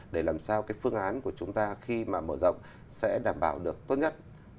để làm sao cái phương án của chúng ta khi mà mở rộng sẽ đảm bảo được tốt nhất